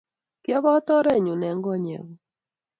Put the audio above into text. Kiabot orenyu eng' konyekuk